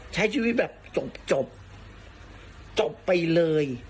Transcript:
ใช้ชีวิตแบบจบจบไปเลย